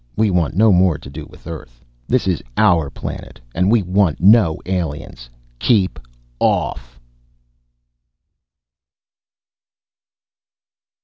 We want no more to do with Earth. This is our planet and we want no aliens. Keep off!